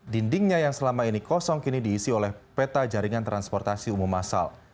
dindingnya yang selama ini kosong kini diisi oleh peta jaringan transportasi umum asal